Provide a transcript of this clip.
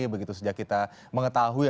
begitu sejak kita mengetahui